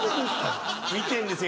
見てんですよ